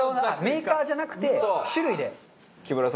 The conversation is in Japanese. メーカーじゃなくて種類で。